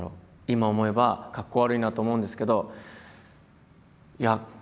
今思えばかっこ悪いなと思うんですけど。